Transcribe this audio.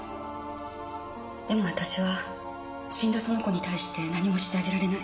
でも私は死んだその子に対して何もしてあげられない。